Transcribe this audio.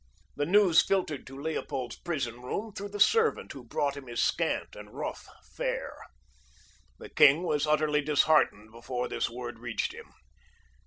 The news filtered to Leopold's prison room through the servant who brought him his scant and rough fare. The king was utterly disheartened before this word reached him.